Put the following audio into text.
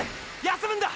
休むんだ！